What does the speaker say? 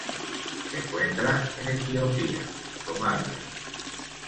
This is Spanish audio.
Se encuentra en Etiopía Somalia.